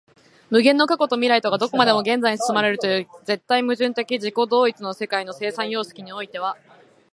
無限の過去と未来とがどこまでも現在に包まれるという絶対矛盾的自己同一の世界の生産様式においては、